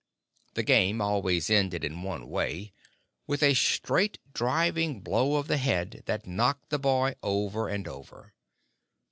The game always ended in one way with a straight, driving blow of the head that knocked the boy over and over.